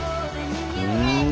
うん。